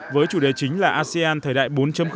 với chủ đề chính là asean thời đại bốn